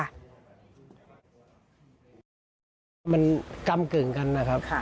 มันกำกึ่งกันนะครับ